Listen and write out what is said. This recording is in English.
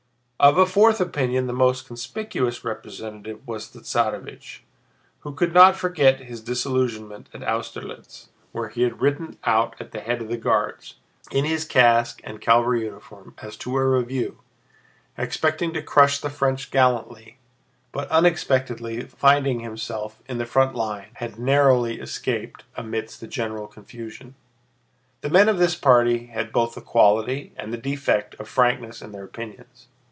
Of a fourth opinion the most conspicuous representative was the Tsarévich, who could not forget his disillusionment at Austerlitz, where he had ridden out at the head of the Guards, in his casque and cavalry uniform as to a review, expecting to crush the French gallantly; but unexpectedly finding himself in the front line had narrowly escaped amid the general confusion. The men of this party had both the quality and the defect of frankness in their opinions.